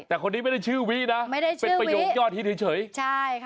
แต่คนนี้ไม่ได้ชื่อวินะไม่ได้ชื่อวิ